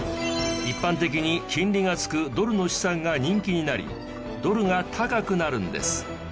一般的に金利がつくドルの資産が人気になりドルが高くなるんです。